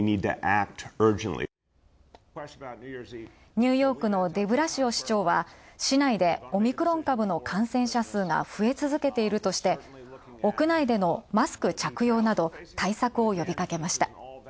ニューヨークのデブラシオ市長は市内でオミクロン株の感染者数が増え続けているとして屋内でのマスク着用など、対策を呼びかけました。